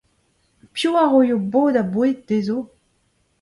Piv a roio bod ha boued dezho ?